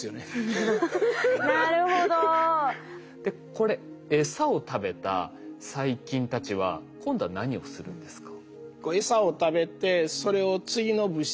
これエサを食べた細菌たちは今度は何をするんですか？